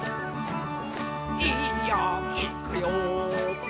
「いいよいくよ！」